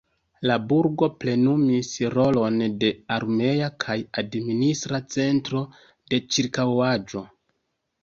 La burgo plenumis rolon de armea kaj administra centro de ĉirkaŭaĵo.